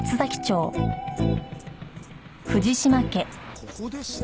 ここですね。